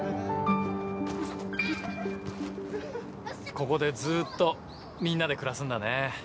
ここでずっとみんなで暮らすんだね。